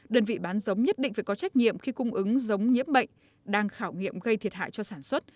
đơn vị bán giống nhất định phải có trách nhiệm khi cung ứng giống nhiễm bệnh đang khảo nghiệm gây thiệt hại cho sản xuất